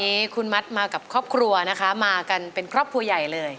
วันนี้คุณมัดมากับครอบครัวนะคะมากันเป็นครอบครัวใหญ่เลย